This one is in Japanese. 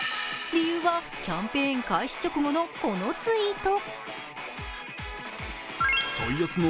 理由は、キャンペーン開始直後のこのツイート。